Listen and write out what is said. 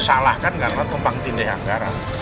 salahkan karena tumpang tindih anggaran